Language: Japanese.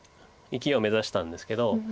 生きを目指したんですけど。